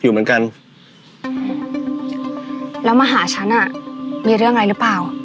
อยู่เหมือนกันแล้วมาหาฉันอ่ะมีเรื่องอะไรหรือเปล่า